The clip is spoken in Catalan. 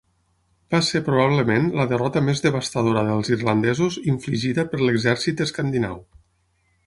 Va ser probablement la derrota més devastadora dels irlandesos infligida per l'exèrcit escandinau.